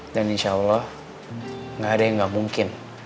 dan insya allah gak ada yang gak mungkin